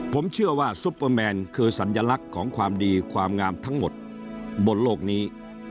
ผมเชื่อว่าซุปเปอร์แมนคือสัญลักษณ์ของความดีความงามทั้งหมดบนโลกนี้